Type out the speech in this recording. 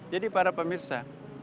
jadi para pemirsa